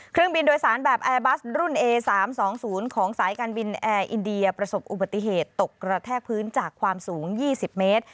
เครื่องบินโดยสารแบบแอร์บัสรุ่นเอ๓๒๐ของสายการบินแอร์อินเดียประสบอุบัติเหตุตกกระแทกพื้นจากความสูง๒๐เมตร